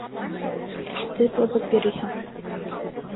Эште боҙоп йөрөйһөң.